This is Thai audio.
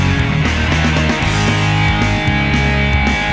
กลับมาที่นี่